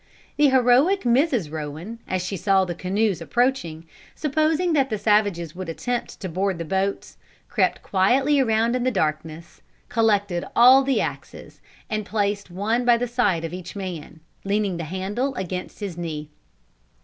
The heroic Mrs. Rowan, as she saw the canoes approaching, supposing that the savages would attempt to board the boats, crept quietly around in the darkness, collected all the axes, and placed one by the side of each man, leaning the handle against his knee.